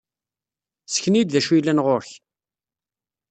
Ssken-iyi-d d acu yellan ɣer-k!